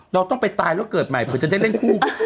เราต้องไปตายแล้วเกิดใหม่เผื่อจะได้เล่นคู่